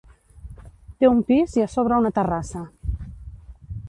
Té un pis i a sobre una terrassa.